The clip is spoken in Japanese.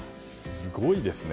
すごいですね。